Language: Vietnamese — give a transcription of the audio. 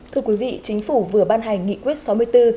thưa quý vị chính phủ vừa ban hành nghị quyết sáu mươi bốn